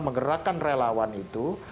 menggerakkan relawan itu